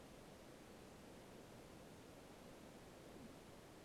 Je využíván pro rekreaci a sport.